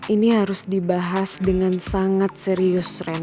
ini harus dibahas dengan sangat serius ren